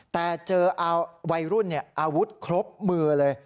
แต่เจอวัยรุ่นอาวุธครบมือเลย